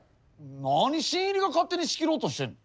何新入りが勝手に仕切ろうとしてんの？